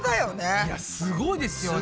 いやすごいですよね。